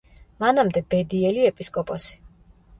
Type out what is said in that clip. მანამდე ბედიელი ეპისკოპოსი.